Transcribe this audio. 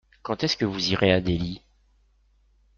Quand est-ce que vous irez à Delhi ?